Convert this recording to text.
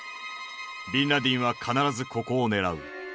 ビンラディンは必ずここを狙う。